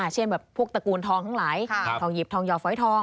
เช่นแบบพวกตระกูลทองทั้งหลายทองหยิบทองหยอดฝอยทอง